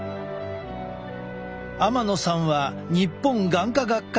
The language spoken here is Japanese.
天野さんは日本眼科学会